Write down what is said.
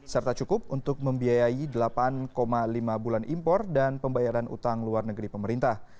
serta cukup untuk membiayai delapan lima bulan impor dan pembayaran utang luar negeri pemerintah